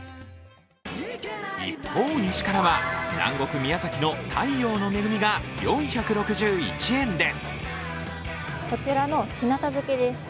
一方、西からは南国・宮崎の太陽の恵みが４６１円で。